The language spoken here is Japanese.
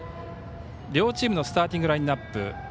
両チームのスターティングラインアップ。